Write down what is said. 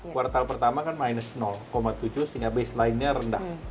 kuartal pertama kan minus tujuh sehingga baseline nya rendah